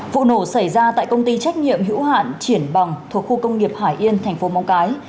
vụ nổ xảy ra tại công ty trách nhiệm hữu hạn triển bằng thuộc khu công nghiệp hải yên thành phố móng cái